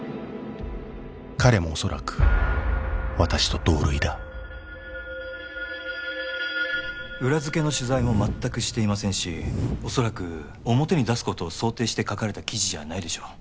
彼もおそらく私と同類だ裏付けの取材も全くしていませんしおそらく表に出すことを想定して書かれた記事じゃないでしょう